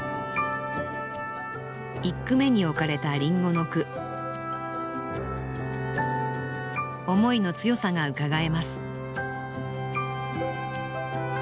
１句目に置かれた林檎の句思いの強さがうかがえます